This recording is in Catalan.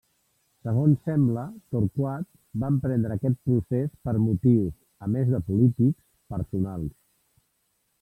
Segons sembla, Torquat va emprendre aquest procés per motius, a més de polítics, personals.